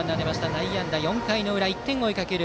内野安打、４回の裏１点を追いかける